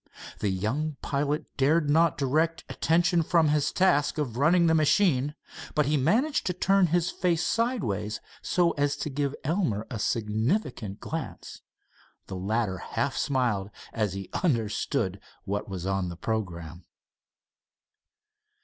The young pilot dared not direct attention from his task of running the machine, but he managed to turn his face sideways so as to give Elmer a significant glance. The latter half smiled as he understood what was on the programme.